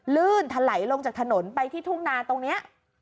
ลื่นถลายลงจากถนนไปที่ทุ่งนาตรงนี้